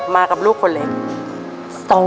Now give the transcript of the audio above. มากับลูกคนเล็ก